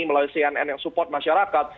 melalui cnn yang support masyarakat